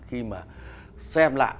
khi mà xem lại